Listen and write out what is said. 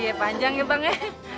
iya panjang ya bang ya